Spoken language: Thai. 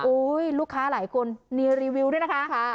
โอ้ยลูกค้าหลายคนรีวิวด้วยนะคะ